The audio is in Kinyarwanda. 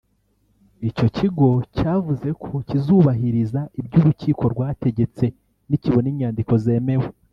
Icyo kigo cyavuze ko kizubahiriza ibyo urukiko rwategetse nikibona inyandiko zemewe